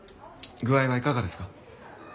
具合はいかがですか？